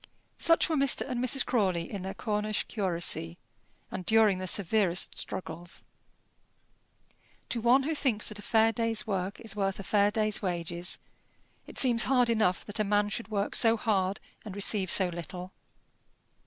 Such were Mr. and Mrs. Crawley in their Cornish curacy, and during their severest struggles. To one who thinks that a fair day's work is worth a fair day's wages, it seems hard enough that a man should work so hard and receive so little.